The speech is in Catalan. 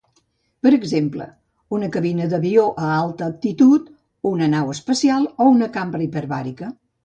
Per exemple, una cabina d'avió a alta altitud, una nau espacial, o una cambra hiperbàrica.